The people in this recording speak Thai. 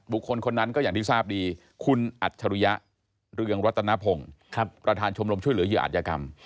คนคนนั้นก็อย่างที่ทราบดีคุณอัจฉริยะเรืองรัตนพงศ์ประธานชมรมช่วยเหลือเหยื่ออาจยกรรม